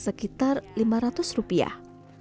sekitar lima ratus rupiah